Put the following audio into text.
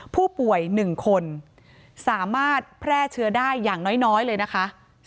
ผู้ป่วย๑คนสามารถแพร่เชื้อได้อย่างน้อยเลยนะคะ